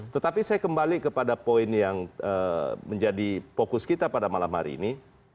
tetapi saya kembali kepada poin yang menjadi fokus kita pada malam hari ini